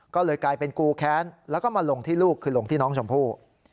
ก็เลยกลายเป็นกูแค้นแล้วก็มาลงที่ลูกคือลงที่น้องชมพู่